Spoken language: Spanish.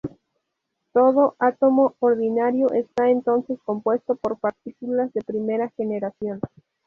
Todo átomo ordinario está entonces compuesto por partículas de primera generación.